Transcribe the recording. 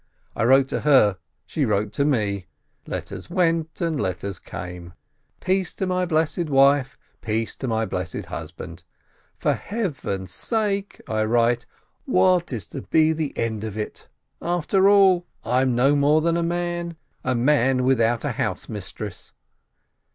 I wrote to her, she wrote to me — letters went and letters came. Peace to my beloved wife ! Peace to my beloved husband ! "For Heaven's sake," I write, "what is to be the end of it ? After all, I'm no more than a man ! A man with out a housemistress